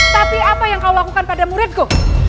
tapi apa yang kau lakukan pada muridku